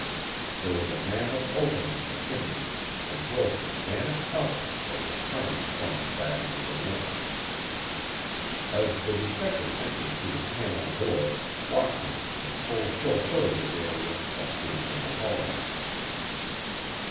There was a mammoth opening in the chimney and Wilson vanished up it as Kearney plunged back into the room. As the detective entered through the panel door, Watkins in full chauffeur regalia appeared from the hallway.